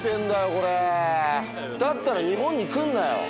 だったら日本に来んなよ。